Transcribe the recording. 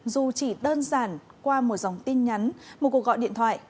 dù chỉ đơn giản qua một dòng tin nhắn một cuộc gọi điện thoại